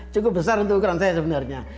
cukup besar untuk ukuran saya sebenarnya